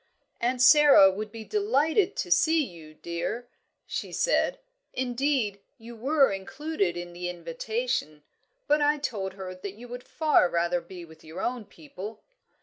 "Aunt Sara would be delighted to see you, dear!" she said "indeed, you were included in the invitation. But I told her that you would far rather be with your own people."